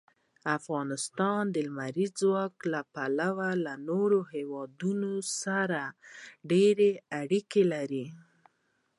افغانستان د لمریز ځواک له پلوه له نورو هېوادونو سره ډېرې اړیکې لري.